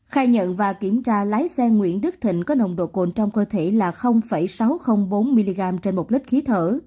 khai nhận và kiểm tra lái xe nguyễn đức thịnh có nồng độ cồn trong cơ thể là sáu trăm linh bốn mg trên một lít khí thở